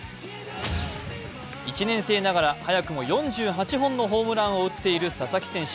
１年生ながら早くも４８本のホームランを打っている佐々木選手。